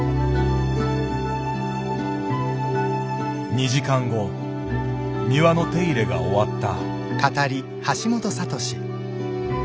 ２時間後庭の手入れが終わった。